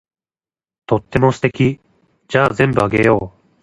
とっても素敵。じゃあ全部あげよう。